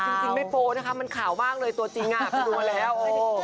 จริงไม่โป้นะคะมันขาวมากเลยตัวจริงอ่ะคุณรู้อ่ะแล้ว